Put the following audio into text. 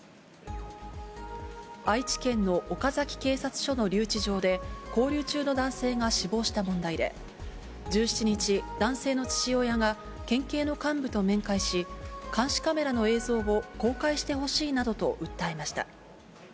愛知県の岡崎警察署の留置場で、勾留中の男性が死亡した問題で、１７日、男性の父親が県警の幹部と面会し、監視カメラの映像を公開してほしいなどと訴えました。